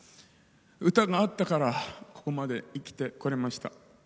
歌があったからここまで生きてこられました。